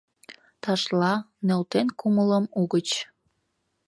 Ташла, нӧлтен кумылым, угыч.